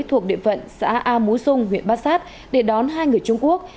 thuộc địa phận xã a múi sông huyện bát sát để đón hai người trung quốc